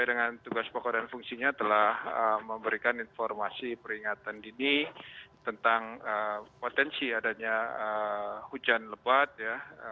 dengan tugas pokok dan fungsinya telah memberikan informasi peringatan dini tentang potensi adanya hujan lebat ya